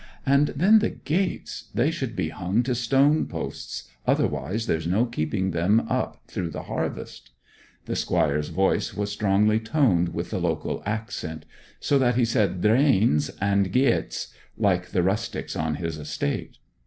And then the gates they should be hung to stone posts, otherwise there's no keeping them up through harvest.' The Squire's voice was strongly toned with the local accent, so that he said 'drains' and 'geats' like the rustics on his estate.